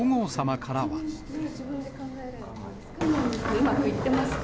うまくいってますか？